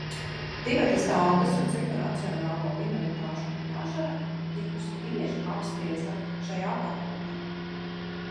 Tibetas tautas un citu nacionālo minoritāšu vajāšana ir tikusi bieži apspriesta šajā Parlamentā.